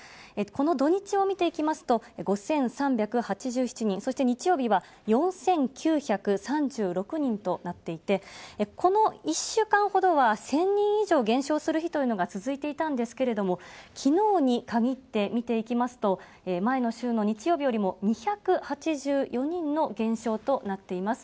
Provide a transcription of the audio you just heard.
この土日を見ていきますと、５３８７人、そして日曜日は４９３６人となっていて、この１週間ほどは、１０００人以上減少する日というのが続いていたんですけれども、きのうに限って見ていきますと、前の週の日曜日よりも２８４人の減少となっています。